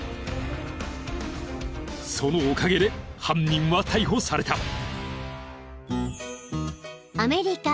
［そのおかげで犯人は逮捕された］